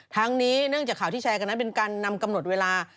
ทั้งนี้เนื่องจากข่าวที่แชร์กันนั้นเป็นการนำกำหนดเวลา